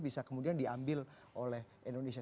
bisa kemudian diambil oleh indonesia